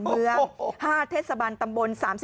๕เทศบาลตำบล